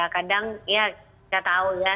kadang ya nggak tahu ya